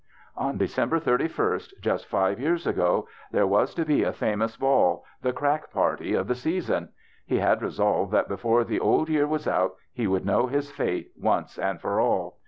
On December 31st, just five years ago, there was to be a famous ball, the crack party of the season. He had resolved that before the old year was out he would know his fate 24 THE BACHELORS CHBISTMAS once and for all.